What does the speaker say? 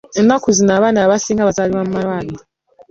Ennaku zino abaana abasinga bazaalibwa mu amalwariro.